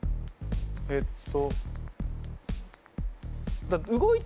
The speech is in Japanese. えっと。